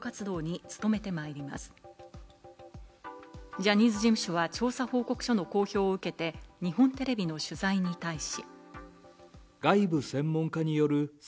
ジャニーズ事務所は調査報告書の公表を受けて、日本テレビの取材に対し。